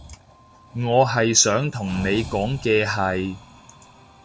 我係想同你講嘅係